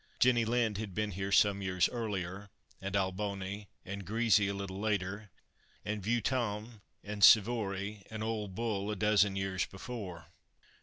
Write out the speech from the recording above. Jenny Lind had been here some years earlier, and Alboni and Grisi a little later, and Vieuxtemps and Sivori and Ole Bull a dozen years before.